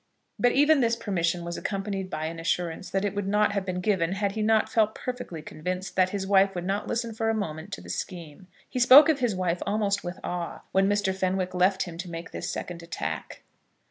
But even this permission was accompanied by an assurance that it would not have been given had he not felt perfectly convinced that his wife would not listen for a moment to the scheme. He spoke of his wife almost with awe, when Mr. Fenwick left him to make this second attack.